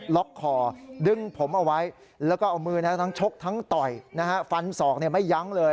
ล็อกคอดึงผมเอาไว้แล้วก็เอามือทั้งชกทั้งต่อยฟันศอกไม่ยั้งเลย